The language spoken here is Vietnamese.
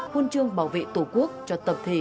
huấn trương bảo vệ tổ quốc cho tập thể